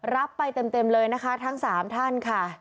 รับไปเต็มเลยนะคะทั้ง๓ท่านค่ะ